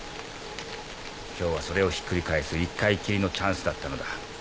今日はそれをひっくり返す一回きりのチャンスだったのだ。